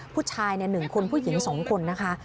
ผู้ชาย๑คนผู้หญิง๒คนนะคะ